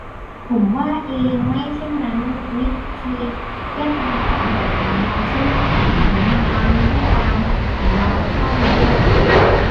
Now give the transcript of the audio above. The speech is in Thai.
ผมว่าเอง : ไม่เช่นนั้น 'วิธีแก้ปัญหาแบบของเรา-ซึ่งแฝงความต้องการของเราเข้าไปด้วย